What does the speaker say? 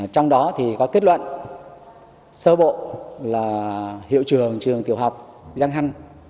trong đó thì có kết luận sơ bộ là hiệu trường trường tiểu học giang hăn